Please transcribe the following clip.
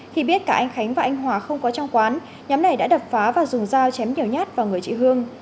khi biết cả anh khánh và anh hòa không có trong quán nhóm này đã đập phá và dùng dao chém nhiều nhát vào người chị hương